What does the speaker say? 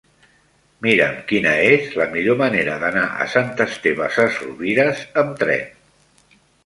Mira'm quina és la millor manera d'anar a Sant Esteve Sesrovires amb tren.